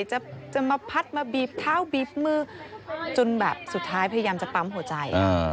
จะมาพัดมาบีบเท้าบีบมือจนแบบสุดท้ายพยายามจะปั๊มหัวใจ